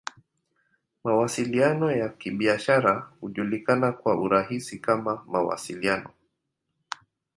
Mawasiliano ya Kibiashara hujulikana kwa urahisi kama "Mawasiliano.